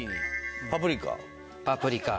パプリカ。